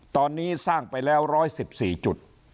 ตอนนี้สร้างไปแล้ว๑๑๔จุด